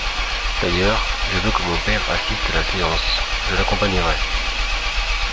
D'ailleurs, je veux que mon père assiste à la séance: je l'accompagnerai.